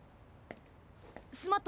スマット！